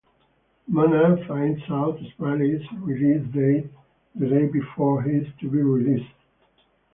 Mona finds out Smiley's release date the day before he is to be released.